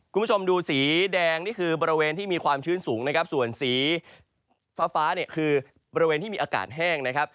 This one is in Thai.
คุณผู้ชมดูสีแดงนี่คือบริเวณที่มีความชื้นสูงนะครับส่วนสีฟ้าฟ้าเนี่ยคือบริเวณที่มีอากาศแห้งนะครับ